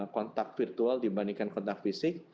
kontak virtual dibandingkan kontak fisik